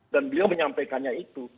dan beliau menyampaikannya itu